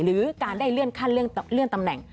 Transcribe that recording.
หรือการได้เลื่อนขั้นเลื่อนตำแหน่ง